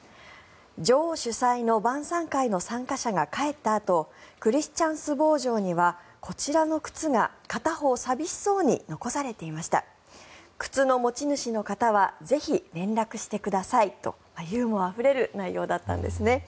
女王主催の晩さん会の参加者が帰ったあとクリスチャンスボー城にはこちらの靴が片方寂しそうに残されていました靴の持ち主の方はぜひ連絡してくださいとユーモアあふれる内容だったんですね。